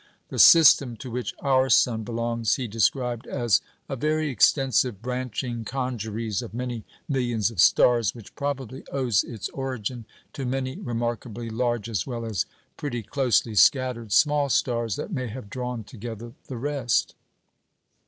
The system to which our sun belongs he described as "a very extensive branching congeries of many millions of stars, which probably owes its origin to many remarkably large as well as pretty closely scattered small stars, that may have drawn together the rest."